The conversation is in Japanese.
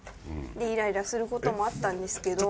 イライラする事もあったんですけど。